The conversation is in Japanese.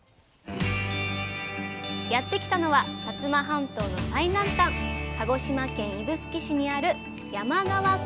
やって来たのは薩摩半島の最南端鹿児島県指宿市にある山川港。